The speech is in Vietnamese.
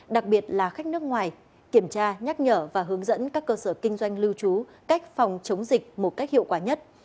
đặc biệt là khách nước ngoài kiểm tra nhắc nhở và hướng dẫn các cơ sở kinh doanh lưu trú cách phòng chống dịch một cách hiệu quả nhất